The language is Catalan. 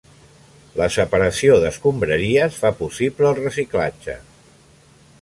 La separació d'escombraries fa possible el reciclatge.